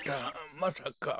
まさか。